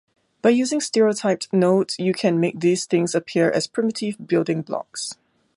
By using stereotyped nodes you can make these things appear as primitive building blocks.